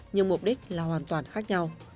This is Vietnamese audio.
nhưng mục đích là hoàn toàn khác nhau